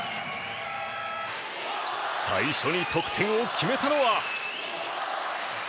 最初に得点を決めたのは。